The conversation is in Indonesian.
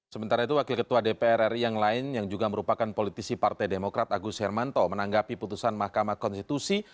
sementara itu wakil ketua dpr ri yang lain yang juga merupakan politisi partai demokrat agus hermanto menanggapi putusan mahkamah konstitusi